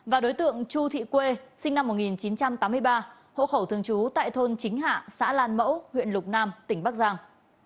và đối tượng chu thị quê sinh năm một nghìn chín trăm tám mươi ba hộ khẩu thường trú tại thôn chính hạ xã lan mẫu huyện lục nam tỉnh bắc giang